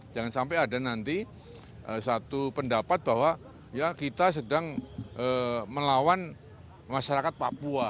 jangan sampai ada nanti satu pendapat bahwa ya kita sedang melawan masyarakat papua